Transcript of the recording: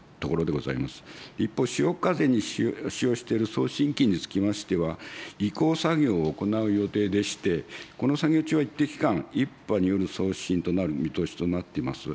一方、しおかぜに使用している送信機につきましては、移行作業を行う予定でして、この作業中は一定期間、１波による送信となる見通しとなっています。